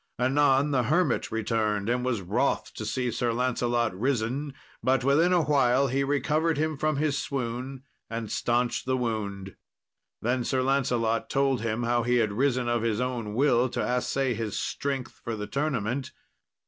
Anon the hermit returned and was wroth to see Sir Lancelot risen, but within a while he recovered him from his swoon and staunched the wound. Then Sir Lancelot told him how he had risen of his own will to assay his strength for the tournament.